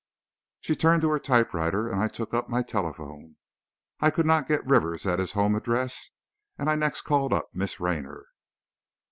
She turned to her typewriter, and I took up my telephone. I could not get Rivers at his home address, and I next called up Miss Raynor.